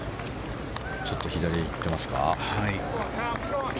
ちょっと左へ行ってますが。